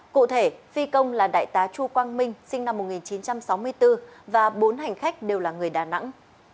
cụ thể phi công là đại tá chu quang minh sinh năm một nghìn chín trăm sáu mươi bốn và bốn hành khách đều là người đà nẵng